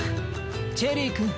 チェリーくん